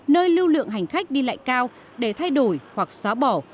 nơi lưu lượng hành khách đi lại cao để thay đổi hoặc xóa bỏ